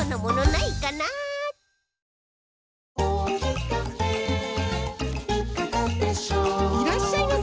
いらっしゃいませ！